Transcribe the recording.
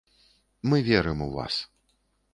Мы верым у вас.